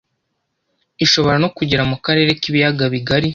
ishobora no kugera mu karere k'ibiyaga bigari